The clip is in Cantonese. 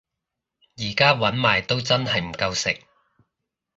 而家搵埋都真係唔夠食